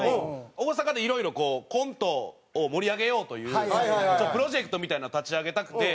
大阪でいろいろこうコントを盛り上げようというプロジェクトみたいなのを立ち上げたくて。